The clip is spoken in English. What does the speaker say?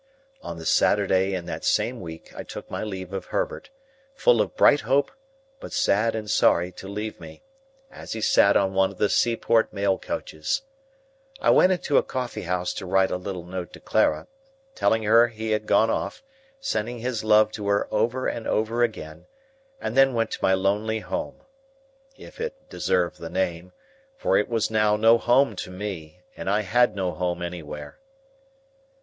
On the Saturday in that same week, I took my leave of Herbert,—full of bright hope, but sad and sorry to leave me,—as he sat on one of the seaport mail coaches. I went into a coffee house to write a little note to Clara, telling her he had gone off, sending his love to her over and over again, and then went to my lonely home,—if it deserved the name; for it was now no home to me, and I had no home anywhere.